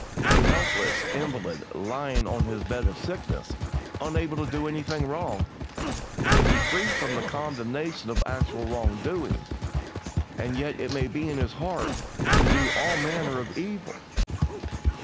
A helpless invalid lying on his bed of sickness, unable to do anything wrong, may be free from the condemnation of actual wrong doing, and yet it may be in his heart to do all manner of evil.